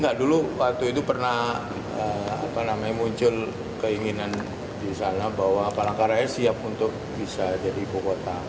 enggak dulu waktu itu pernah muncul keinginan di sana bahwa palangkaraya siap untuk bisa jadi ibu kota